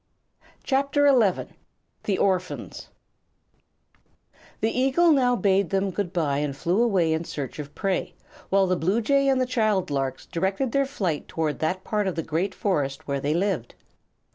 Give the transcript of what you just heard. [CHAPTER XI] The Orphans The eagle now bade them good bye and flew away in search of prey, while the bluejay and the child larks directed their flight toward that part of the great forest where they lived.